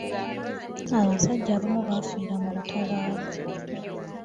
Abasajja abamu baafiira mu lutabaalo.